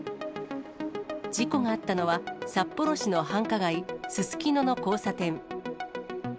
事故があったのは、札幌市の繁華街、すすきのの交差点。